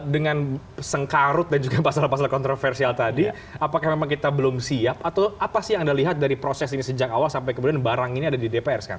dengan sengkarut dan juga pasal pasal kontroversial tadi apakah memang kita belum siap atau apa sih yang anda lihat dari proses ini sejak awal sampai kemudian barang ini ada di dpr sekarang